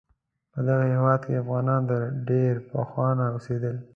په دغه هیواد کې افغانان د ډیر پخوانه اوسیدل